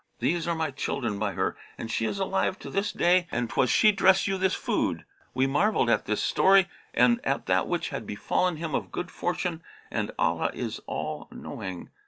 These are my children by her and she is alive to this day and 'twas she dressed you this food." We marvelled at his story and at that which had befallen him of good fortune, and Allah is All knowing.